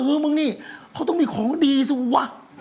มึงนี่เขาต้องมีของดีสิวะ